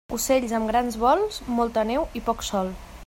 Ocells amb grans vols, molta neu i poc sol.